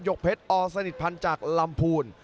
กเพชรอสนิทพันธ์จากลำพูน